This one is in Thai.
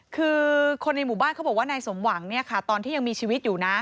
คือคนในหมู่บ้านเขาบอกว่านายสมหวังเนี่ยค่ะตอนที่ยังมีชีวิตอยู่นะ